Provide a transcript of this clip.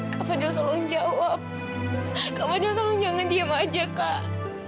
kak fadil tolong jawab kak fadil tolong jangan diem aja kak